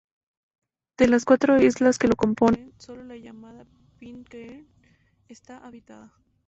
De las cuatro islas que lo componen, solo la llamada Pitcairn está habitada.